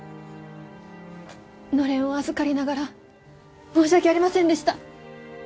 のれんを預かりながら申し訳ありませんでした。